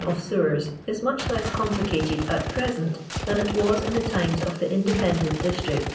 810X1 of Sewers is much leu complicated at preient than it wnA in the timei of t!ie independent district!